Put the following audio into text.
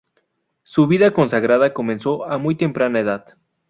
Su vida consagrada comenzó a muy temprana edad.